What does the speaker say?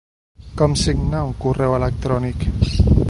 Com signar un correu electrònic?